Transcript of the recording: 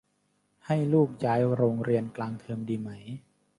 ให้ลูกย้ายโรงเรียนกลางเทอมดีไหม